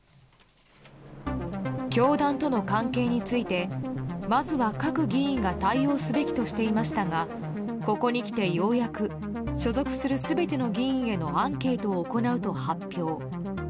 教団との関係についてまずは各議員が対応すべきとしていましたがここにきてようやく所属する全ての議員へのアンケートを行うと発表。